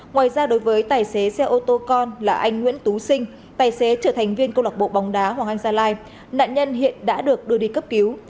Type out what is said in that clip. ngoài ra đối với tài xế xe ô tô con là anh nguyễn tú sinh tài xế trở thành viên câu lạc bộ bóng đá hoàng anh gia lai nạn nhân hiện đã được đưa đi cấp cứu